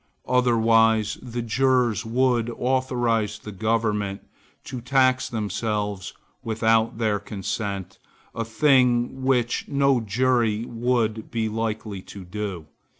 Otherwise the jurors would authorize the government to tax themselves without their consent, a thing which no jury would be likely to do.